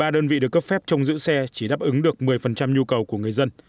một mươi đơn vị được cấp phép trong giữ xe chỉ đáp ứng được một mươi nhu cầu của người dân